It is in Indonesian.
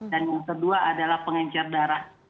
dan yang kedua adalah pengencer darah